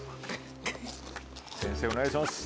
先生お願いします。